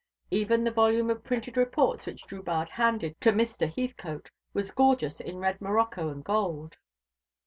Even the volume of printed reports which Drubarde handed to Mr. Heathcote was gorgeous in red morocco and gold.